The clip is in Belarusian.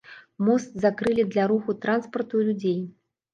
Мост закрылі для руху транспарту і людзей.